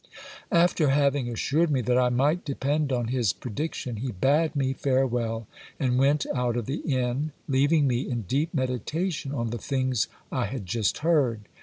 After having assured me that I might depend on his prediction, he bade me farewell and went out of the inn, leaving me in deep meditation on the things I had just heard.